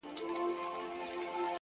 • چی په ژوند کی مو لیدلي دي اورونه,